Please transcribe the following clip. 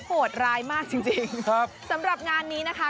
โหดรายมากจริงสำหรับงานนี้นะคะ